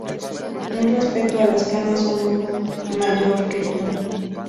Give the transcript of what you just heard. Un respeto a las canas que soy mayor que tú